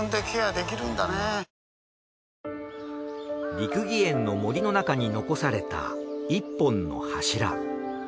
『六義園』の森の中に残された一本の柱。